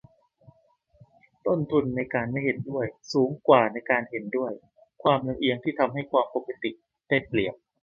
ต้นทุนในการไม่เห็นด้วยสูงกว่าในการเห็นด้วย - ความลำเอียงที่ทำให้ 'ความปกติ' ได้เปรียบ